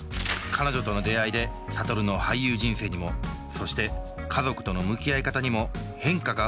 彼女との出会いで諭の俳優人生にもそして家族との向き合い方にも変化が訪れるようになります。